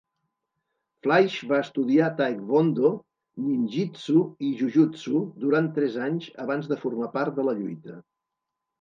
Fleisch va estudiar taekwondo, ninjitsu i jujutsu durant tres anys abans de formar part de la lluita.